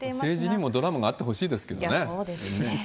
政治にもドラマがあってほしいですけれどもね。